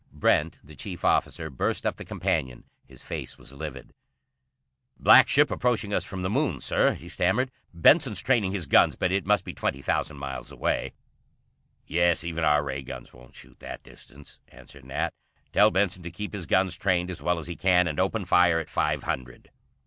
Brent, the chief officer, burst up the companion. His face was livid. "Black ship approaching us from the Moon, Sir," he stammered. "Benson's training his guns, but it must be twenty thousands miles away." "Yes, even our ray guns won't shoot that distance," answered Nat. "Tell Benson to keep his guns trained as well as he can, and open fire at five hundred."